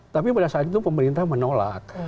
tapi pada saat itu pemerintah menolak